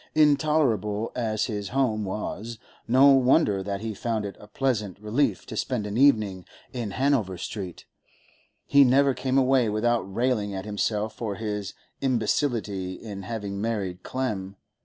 Intolerable as his home was, no wonder that he found it a pleasant relief to spend an evening in Hanover Street; he never came away without railing at himself for his imbecility in having married Clem.